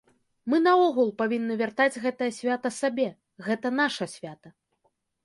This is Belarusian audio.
Мы наогул павінны вяртаць гэтае свята сабе, гэта наша свята.